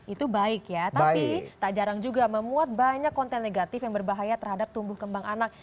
itu baik ya tapi tak jarang juga memuat banyak konten negatif yang berbahaya terhadap tumbuh kembang anak